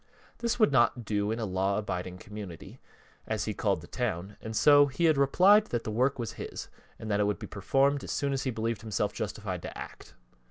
This would not do in a law abiding community, as he called the town, and so he had replied that the work was his, and that it would be performed as soon as he believed himself justified to act.